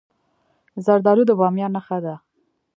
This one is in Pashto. زردالو د بامیان نښه ده.